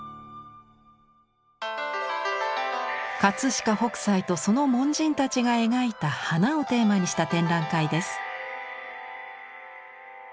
飾北斎とその門人たちが描いた花をテーマにした展覧会です。